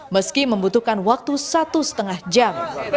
meski membutuhkan waktu satu lima jam